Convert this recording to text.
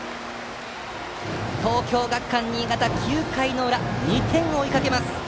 東京学館新潟、９回の裏２点を追いかけます。